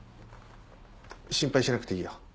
心配しなくていいよ。